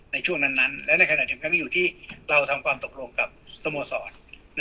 ในช่วงนั้นและในขณะเดียวกันอยู่ที่เราทำความตกลงกับสโมสร